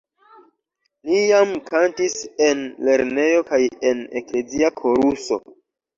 Li jam kantis en lernejo kaj en eklezia koruso.